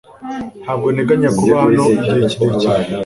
Ntabwo nteganya kuba hano igihe kirekire.